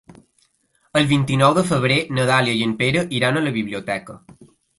El vint-i-nou de febrer na Dàlia i en Pere iran a la biblioteca.